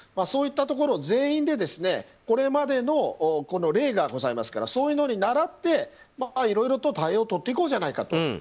そういったところ全員でこれまでの例がございますからそういうのにならっていろいろと対応をとっていこうじゃないかと。